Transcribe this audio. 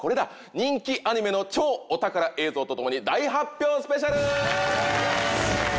人気アニメの超お宝映像とともに大発表スペシャル！』。